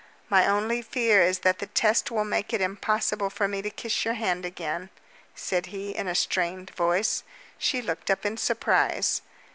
"My only fear is that the test will make it impossible for me to kiss your hand again," said he in a strained voice. She looked up in surprise.